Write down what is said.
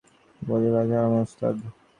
তিনি বহু খ্যাতিমান আলেমের উস্তাদ।